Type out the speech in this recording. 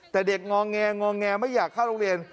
แต่เด็กงอแงงอแงไม่อยากเข้าโรงเรียน